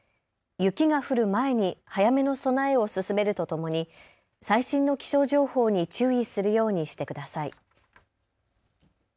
雪が降る前に早めの備えを進めるとともに最新の気象情報に注意するようにしてください。